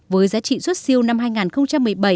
với giá trị xuất siêu năm hai nghìn một mươi bảy